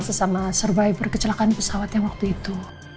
sesama survivor kecelakaan pesawat yang waktu itu